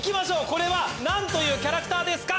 これは何というキャラクターですか？